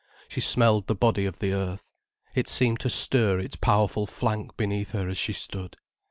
She smelled the body of the earth, it seemed to stir its powerful flank beneath her as she stood.